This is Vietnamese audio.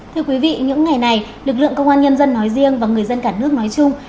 thưa quý vị những ngày này lực lượng công an nhân dân nói riêng và người dân cả nước nói chung